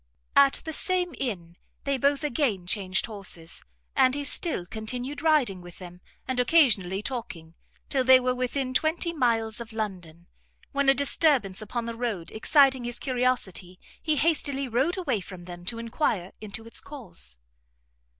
At the same Inn they both again changed horses, and he still continued riding with them, and occasionally talking, till they were within twenty miles of London, when a disturbance upon the road exciting his curiosity, he hastily rode away from them to enquire into its cause.